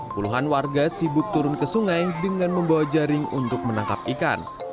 puluhan warga sibuk turun ke sungai dengan membawa jaring untuk menangkap ikan